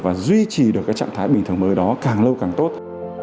và duy trì được cái trạng thái bình thường mới đó càng lâu càng tốt